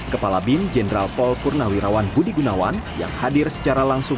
kepala bin jenderal paul purnawirawan budi gunawan yang hadir secara langsung